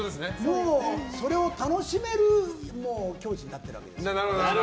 もう、それを楽しめる境地になってるわけです。